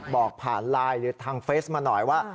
บอกผ่านไลน์หรือทางเฟสมาหน่อยว่า